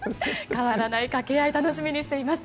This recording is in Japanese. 変わらない掛け合い楽しみにしています。